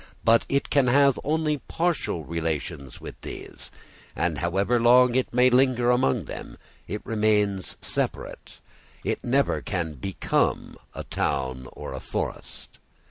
But it can have only partial relations with these, and however long it may linger among them it remains separate; it never can become a town or a forest.